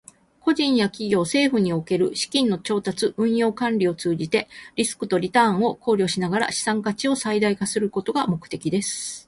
個人や企業、政府における資金の調達、運用、管理を通じて、リスクとリターンを考慮しながら資産価値を最大化することが目的です。